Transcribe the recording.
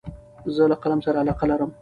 زه له قلم سره علاقه لرم.